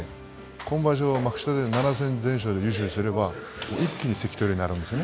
今場所は幕下で７戦全勝で優勝すれば、一気に関取になるんですね。